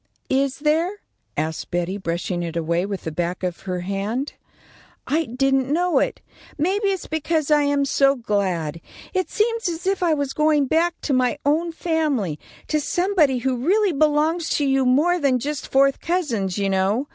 "Is there?" asked Betty, brushing it away with the back of her hand. "I didn't know it. Maybe it's because I am so glad. It seems as if I was going back to my own family; to somebody who really belongs to you more than just fourth cousins, you know.